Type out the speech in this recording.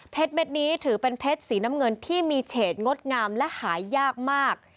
เม็ดนี้ถือเป็นเพชรสีน้ำเงินที่มีเฉดงดงามและหายากมาก